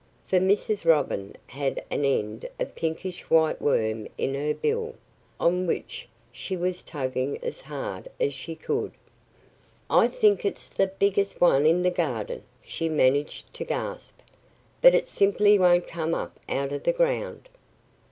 For Mrs. Robin had an end of a pinkish white worm in her bill, on which she was tugging as hard as she could. "I think it's the biggest one in the garden!" she managed to gasp. "But it simply won't come up out of the ground."